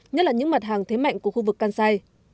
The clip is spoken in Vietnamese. nhất là những mặt hàng thế mạnh của khu vực kansai